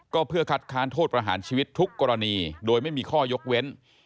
ก็เพื่อคัดค้านโทษประหารชีวิตทุกกรณีโดยไม่มีข้อยกเว้น